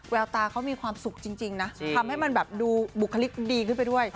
แววตาเขามีความสุขจริงนะทำให้มันแบบดูบุคลิกดีขึ้นไปด้วย